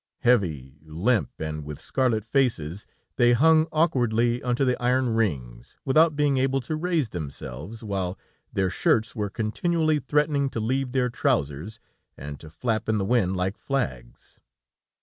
Heavy, limp, and with scarlet faces, they hung awkwardly onto the iron rings, without being able to raise themselves, while their shirts were continually threatening to leave their trousers, and to flap in the wind like flags.